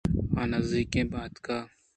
آ نزّیکءَ اتک